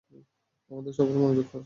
আমাদের সবার মনোযোগ সরাতে হবে।